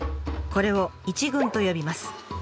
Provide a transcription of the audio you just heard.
これを「１群」と呼びます。